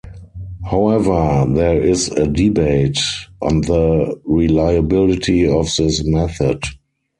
However there is a debate on the reliability of this method.